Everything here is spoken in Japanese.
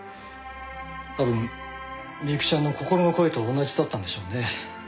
多分美雪ちゃんの心の声と同じだったんでしょうね。